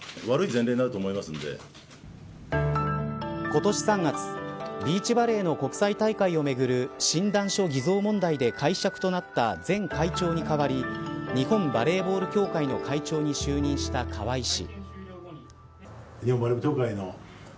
今年３月ビーチバレーの国際大会をめぐる診断書偽造問題で解職となった前会長に代わり日本バレーボール協会の会長に就任した川合氏。